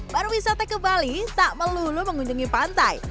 pariwisata ke bali tak melulu mengunjungi pantai